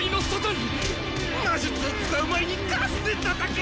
魔術を使う前に数でたたけ！